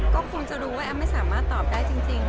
ก็คงจะรู้ว่าแอมไม่สามารถตอบได้จริง